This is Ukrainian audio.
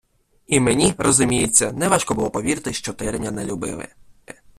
I мені, розуміється, не важко було повірити, що Тереня не любили.